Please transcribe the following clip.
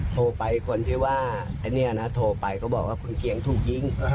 โทรไปคนที่ว่าไอ้เนี่ยนะโทรไปก็บอกว่าคุณเกียงถูกยิง